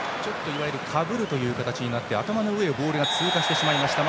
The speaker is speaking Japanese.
いわゆるかぶるという形になって頭の上をボールが通過してしまいました。